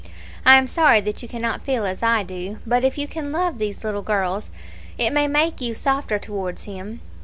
I am sorry that you cannot feel as I do; but if you can love these little girls, it may make you softer towards him.